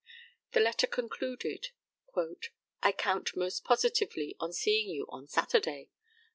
The letter concluded "I count most positively on seeing you on Saturday.